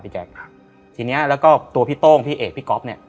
แจ๊คทีเนี้ยแล้วก็ตัวพี่โต้งพี่เอกพี่ก๊อฟเนี่ย